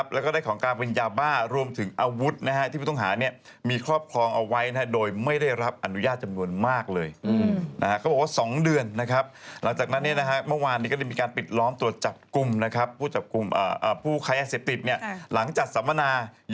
แล้วก็ได้ของการเป็นยาบ้ารวมถึงอาวุธที่ผู้ต้องหา